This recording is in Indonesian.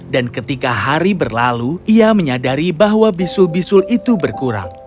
dan ketika hari berlalu ia menyadari bahwa bisul bisul itu berkurang